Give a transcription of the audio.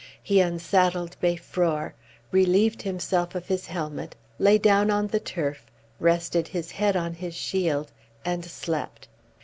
He unsaddled Beiffror, relieved himself of his helmet, lay down on the turf, rested his head on his shield, and slept.